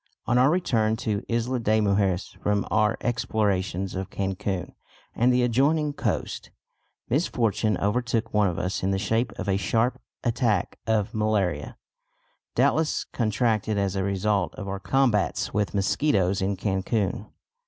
On our return to Isla de Mujeres from our explorations of Cancun and the adjoining coast, misfortune overtook one of us in the shape of a sharp attack of malaria, doubtless contracted as a result of our combats with mosquitoes in Cancun.